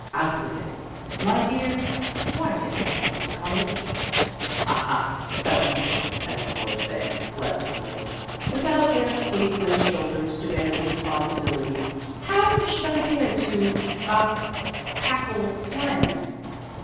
Out with it ! My dear, why did I come to college ? Aha, stumped ! (as the boys say. Bless the boys ! Without their scapegrace shoulders to bear the responsibility, how 239 240 Vassar Studies should I dare to ah tackle slang?)